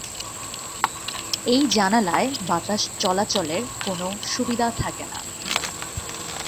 এই জানালায় বাতাস চলাচলের কোন সুবিধা থাকেনা।